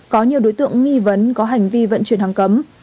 có nhiều đối tượng nghi vấn có hành vi vận chuyển hàng cấm